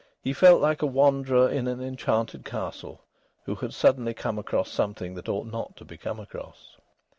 He felt like a wanderer in an enchanted castle who had suddenly come across something that ought not to be come across.